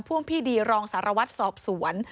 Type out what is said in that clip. ่วงพี่ดีรองสารวัตรสอบสวน